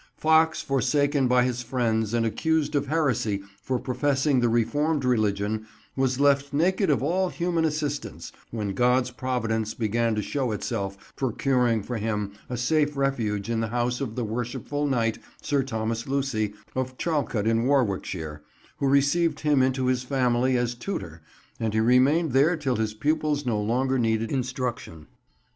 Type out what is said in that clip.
"Foxe, forsaken by his friends, and accused of heresy for professing the reformed religion, was left naked of all human assistance; when God's providence began to show itself, procuring for him a safe refuge in the house of the Worshipful Knight, Sir Thomas Lucy, of Charlecote in Warwickshire, who received him into his family as tutor, and he remained there till his pupils no longer needed instruction."